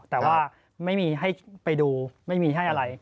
แต่ว่าไม่มีให้ไปดูไม่มีให้อะไร